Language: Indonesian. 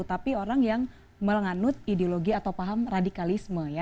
tapi orang yang melanganut ideologi atau paham radikalisme ya